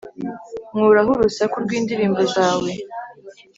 Nkuraho urusaku rw indirimbo zawe